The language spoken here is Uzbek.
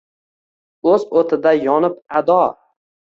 O’z o’tida yonib ado —